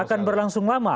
akan berlangsung lama